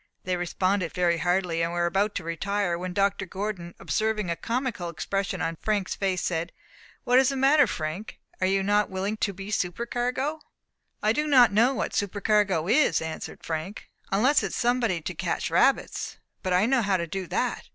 They responded very heartily, and were about to retire, when Dr. Gordon, observing a comical expression on Frank's face, said, "What is the matter, Frank? Are you not willing to be supercargo?" "I do not know what supercargo is," answered Frank, "unless it is somebody to catch rabbits. But I know how to do that.